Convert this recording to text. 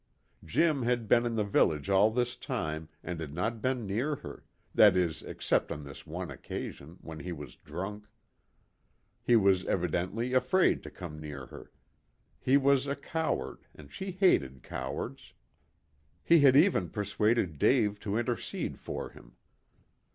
Jim had been in the village all this time and had not been near her, that is except on this one occasion, when he was drunk. He was evidently afraid to come near her. He was a coward, and she hated cowards. He had even persuaded Dave to intercede for him.